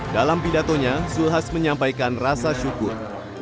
dalam pidatonya zulhas menyampaikan rasa syukur